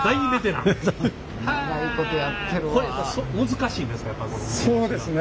難しいんですか？